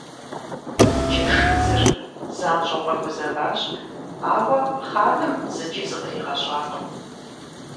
Джэшыдзыр занщӀэу къэгузэващ, ауэ хъаным зыкӀи зыкъригъэщӀакъым.